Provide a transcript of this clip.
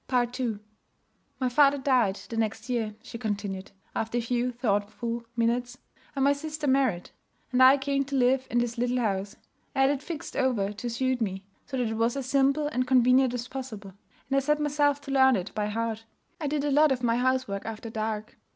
II 'My father died the next year,' she continued, after a few thoughtful minutes, 'and my sister married, and I came to live in this little house. I had it fixed over to suit me, so that it was as simple and convenient as possible; and I set myself to learn it by heart. I did a lot of my housework after dark.